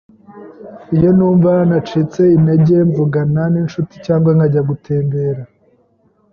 Iyo numva nacitse intege, mvugana n'inshuti cyangwa nkajya gutembera.